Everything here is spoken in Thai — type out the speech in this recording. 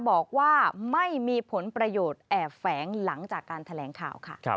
บอกว่าไม่มีผลประโยชน์แอบแฝงหลังจากการแถลงข่าวค่ะ